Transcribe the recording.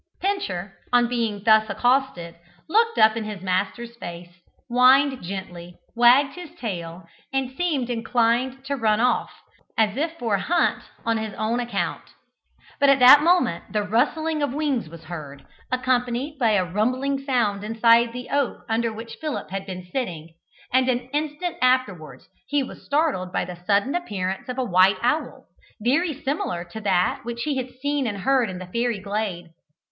Pincher, on being thus accosted, looked up in his master's face, whined gently, wagged his tail, and seemed inclined to run off, as if for a hunt on his own account. But at that moment the rustling of wings was heard, accompanied by a rumbling sound inside the oak under which Philip had been sitting, and an instant afterwards he was startled by the sudden appearance of a white owl, very similar to that which he had seen and heard in the fairy glade.